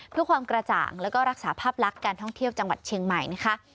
เพื่อความกระจ่างแล้วก็รักษาภาพลักษณ์การท่องเที่ยวจังหวัดเชียงใหม่นะคะ